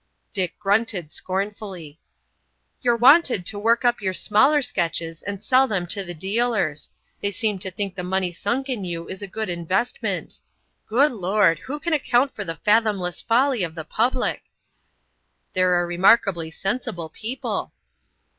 Dick grunted scornfully. "You're wanted to work up your smaller sketches and sell them to the dealers. They seem to think the money sunk in you is a good investment. Good Lord! who can account for the fathomless folly of the public?" "They're a remarkably sensible people."